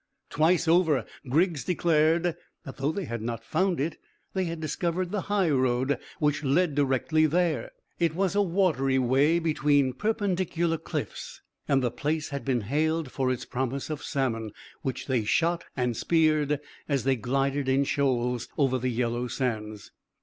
Twice over Griggs declared that though they had not found it they had discovered the high road which led directly there. It was a watery way between perpendicular cliffs, and the place had been hailed for its promise of salmon, which they shot and speared as they glided in shoals over the yellow sands.